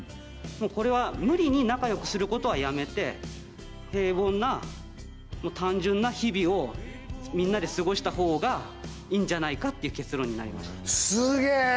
もうこれは無理に仲良くすることはやめて平凡な単純な日々をみんなで過ごしたほうがいいんじゃないかっていう結論になりましたスゲえ！